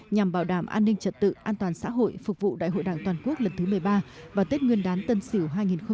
nhằm bảo đảm an ninh trật tự an toàn xã hội phục vụ đại hội đảng toàn quốc lần thứ một mươi ba và tết nguyên đán tân sỉu hai nghìn hai mươi một